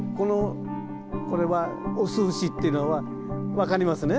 これは雄牛っていうのは分かりますね。